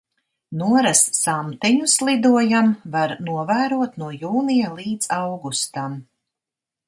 Noras samteņus lidojam var novērot no jūnija līdz augustam.